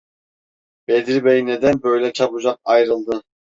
Bedri bey neden böyle çabucak ayrıldı?